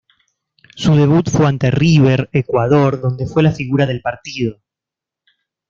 Su debut fue ante River Ecuador donde fue la figura del partido.